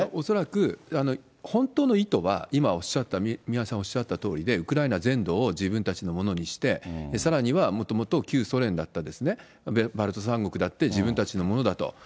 恐らく、本当の意図は、今おっしゃった、宮根さんおっしゃったとおりで、ウクライナ全土を自分たちのものにして、さらにはもともと旧ソ連だったですね、バルト三国だって自分たちのものだと。